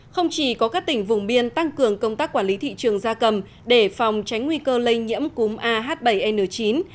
không chỉ có các tỉnh vùng biên tăng cường công tác quản lý thị trường da cầm để phòng tránh nguy cơ lây nhiễm cúm ah bảy n chín